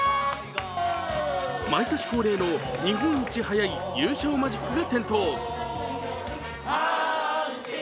毎年恒例の日本一早い優勝マジックが点灯。